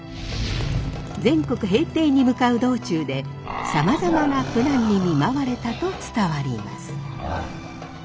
全国平定に向かう道中でさまざまな苦難に見舞われたと伝わります。